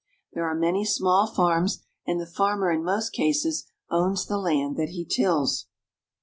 There are many small farms, and the farmer in most cases owns the land that he tills.